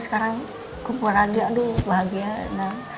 sekarang kumpul aja aduh bahagia